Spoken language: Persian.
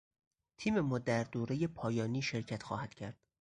تیم ما در دورهی پایانی شرکت خواهدکرد.